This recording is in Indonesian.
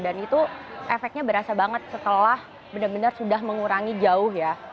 dan itu efeknya berasa banget setelah benar benar sudah mengurangi jauh